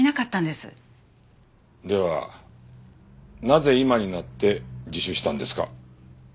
ではなぜ今になって自首したんですか？